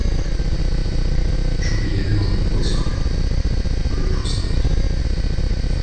J’oubliais l’urne pour les scrutins… le plus important.